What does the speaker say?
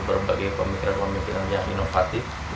berbagai pemikiran pemikiran yang inovatif